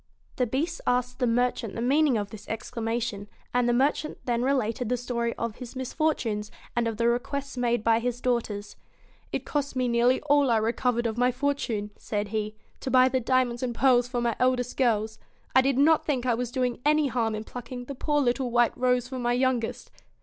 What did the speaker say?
The Beast asked the merchant the meaning of this exclamation, and the merchant then related the story of his misfortunes, and of the requests made by his daughters. 'It cost me nearly all I re covered of my fortune,' said he, 'to buy the diamonds and pearls for my eldest girls ; I did not think I was doing any harm in plucking the poor little white rose for my youngest.'